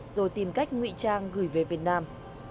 rồi tìm cách ngụy trang gửi về việt nam